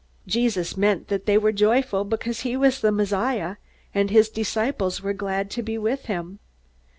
Jesus meant that they were joyful because he was the Messiah, and his disciples were glad to be with him.